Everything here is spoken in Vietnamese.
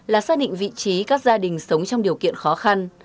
là xác định vị trí các gia đình sống trong điều kiện khó khăn